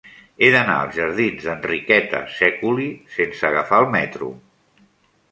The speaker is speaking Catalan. He d'anar als jardins d'Enriqueta Sèculi sense agafar el metro.